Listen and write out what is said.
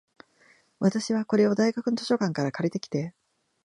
私は、これを大学の図書館から借りてきて、